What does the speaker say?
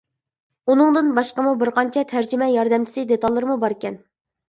ئۇنىڭدىن باشقىمۇ بىر قانچە تەرجىمە ياردەمچىسى دېتاللىرىمۇ باركەن.